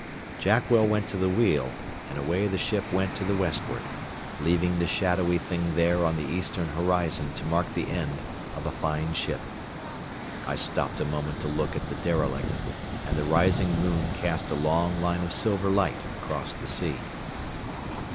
Jackwell went to the wheel, and away the ship went to the westward, leaving the shadowy thing there on the eastern horizon to mark the end of a fine ship. I stopped a moment to look at the derelict, and the rising moon cast a long line of silver light across the sea.